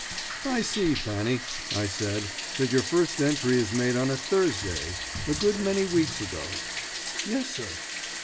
"I see, Fanny," I said "that your first entry is made on a Thursday, a good many weeks ago." "Yes, sir."